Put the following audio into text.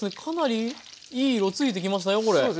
かなりいい色ついてきましたよこれ。